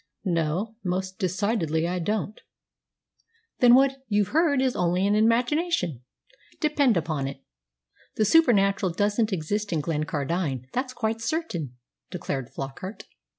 "No. Most decidedly I don't." "Then what you've heard is only in imagination, depend upon it. The supernatural doesn't exist in Glencardine, that's quite certain," declared Flockart.